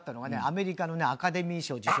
アメリカのねアカデミー賞授賞式ね。